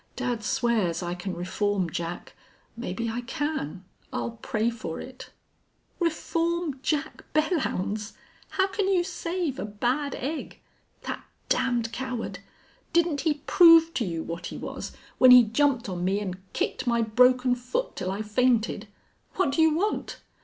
Dad swears I can reform Jack. Maybe I can. I'll pray for it." "Reform Jack Belllounds! How can you save a bad egg? That damned coward! Didn't he prove to you what he was when he jumped on me and kicked my broken foot till I fainted?... What do you want?"